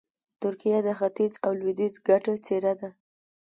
ترکیه د ختیځ او لویدیځ ګډه څېره ده.